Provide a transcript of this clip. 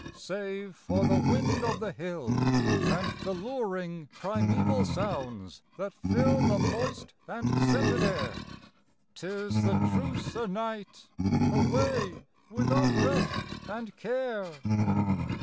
Save for the wind of the hill. And the luring, primeval sounds that fill The moist and scented air — 'Tis the truce o' night, away with unrest and care